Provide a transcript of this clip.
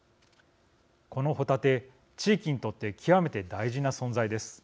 このホタテ、地域にとって極めて大事な存在です。